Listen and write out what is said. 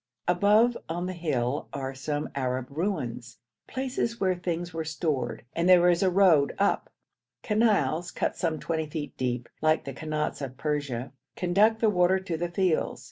Above on the hill are some Arab ruins, places where things were stored, and there is a road up. Canals cut some twenty feet deep, like the kanats of Persia, conduct the water to the fields.